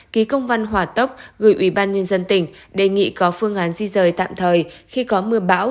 ký công văn hỏa tốc gửi ủy ban nhân dân tỉnh đề nghị có phương án di rời tạm thời khi có mưa bão